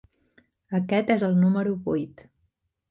Aquest és el número vuit.